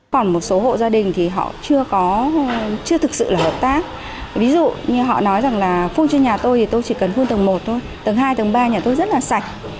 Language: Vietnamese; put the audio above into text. còn một số hộ gia đình thì họ chưa thực sự là hợp tác ví dụ như họ nói rằng là phun trên nhà tôi thì tôi chỉ cần phun tầng một thôi tầng hai tầng ba nhà tôi rất là sạch